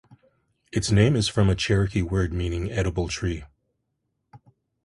Its name is from a Cherokee word meaning "edible tree".